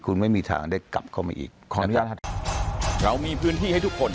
คุณไม่มีทางได้กลับเข้ามาอีกขออนุญาตเรามีพื้นที่ให้ทุกคน